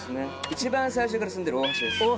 一番最初から住んでる大橋です。